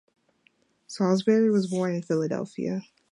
Salisbury was born in Philadelphia.